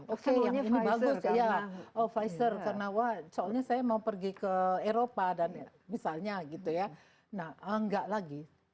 oke yang ini bagus ya oh pfizer karena wah soalnya saya mau pergi ke eropa dan misalnya gitu ya nah enggak lagi kita lihat apa yang telah kita lakukan ini